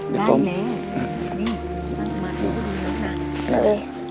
ได้เลย